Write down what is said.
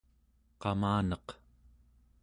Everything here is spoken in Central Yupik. qamaneq